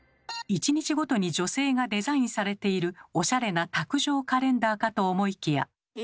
１日ごとに女性がデザインされているおしゃれな卓上カレンダーかと思いきや。